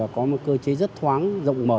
có một cơ chế rất thoáng rộng mở